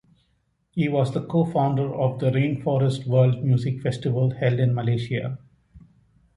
He was the co-founder of the Rainforest World Music Festival held in Malaysia.